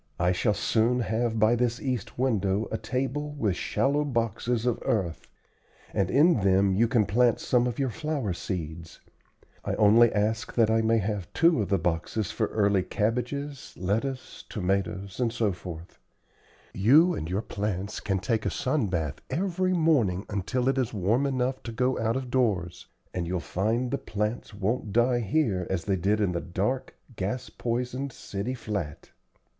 "I shall soon have by this east window a table with shallow boxes of earth, and in them you can plant some of your flower seeds. I only ask that I may have two of the boxes for early cabbages, lettuce, tomatoes, etc. You and your plants can take a sun bath every morning until it is warm, enough to go out of doors, and you'll find the plants won't die here as they did in the dark, gas poisoned city flat."